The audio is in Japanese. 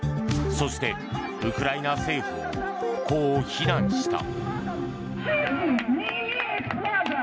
そして、ウクライナ政府をこう非難した。